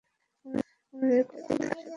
আমাদের কখনোই একসাথে থাকবো না, লরা।